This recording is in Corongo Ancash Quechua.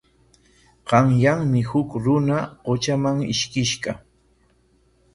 Qanyanmi huk runa qutraman ishkishqa.